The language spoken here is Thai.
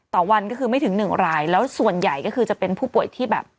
ต่อวันก็คือไม่ถึงหนึ่งรายแล้วส่วนใหญ่ก็คือจะเป็นผู้ป่วยที่แบบ